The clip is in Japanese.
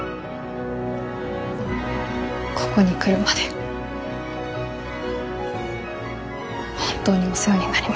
ここに来るまで本当にお世話になりました。